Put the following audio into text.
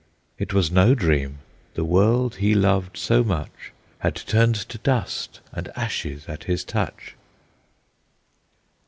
It was no dream; the world he loved so much Had turned to dust and ashes at his touch!